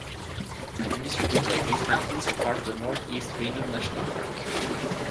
Administratively these mountains are part of the Northeast Greenland National Park.